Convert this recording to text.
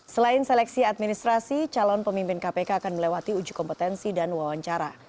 selain seleksi administrasi calon pemimpin kpk akan melewati uji kompetensi dan wawancara